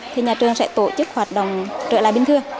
thì nhà trường sẽ tổ chức hoạt động trở lại bình thường